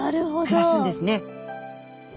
暮らすんですね。